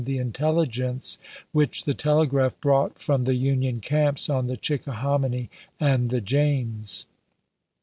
the intelligence which the telegraph brought from the Union camps on the Chickahominy and the James.